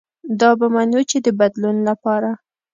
دا به منو چې د بدلون له پاره